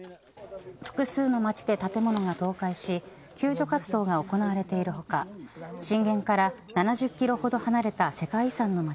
複数の街で建物が倒壊し救助活動が行われている他震源から７０キロほど離れた世界遺産の街